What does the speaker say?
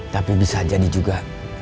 tapi bisa jadi juga